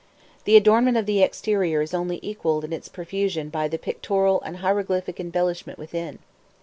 The adornment of the exterior is only equalled in its profusion by the pictorial and hieroglyphic embellishment within.